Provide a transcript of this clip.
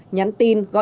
nhắn tin gọi điện